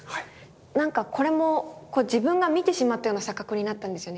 なんかこれも自分が見てしまったような錯覚になったんですよね。